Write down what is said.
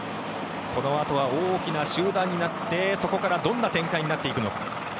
このあとは大きな集団になってそこからどんな展開になっていくのか。